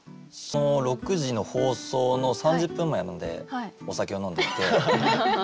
その６時の放送の３０分前までお酒を飲んでいて。